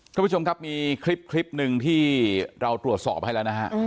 ท่านผู้ชมครับมีคลิปหนึ่งที่เราตรวจสอบให้แล้วนะฮะ